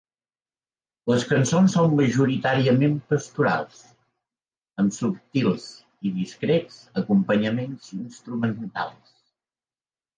Les cançons són majoritàriament pastorals, amb subtils i discrets acompanyaments instrumentals.